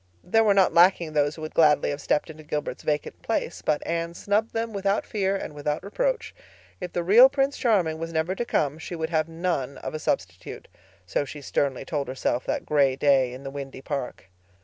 There were not lacking those who would gladly have stepped into Gilbert's vacant place. But Anne snubbed them without fear and without reproach. If the real Prince Charming was never to come she would have none of a substitute. So she sternly told herself that gray day in the windy park.